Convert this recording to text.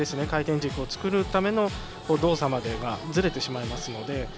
回転軸を作るための動作までがずれてしまいますので。